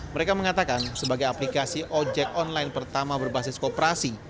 mereka mengatakan sebagai aplikasi ojek online pertama berbasis kooperasi